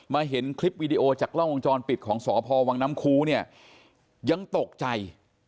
มาเห็นคลิปวิดีโอจากล่องวงจรปิดของสพวังน้ำครูยังตกใจ